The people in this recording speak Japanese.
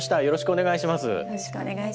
よろしくお願いします。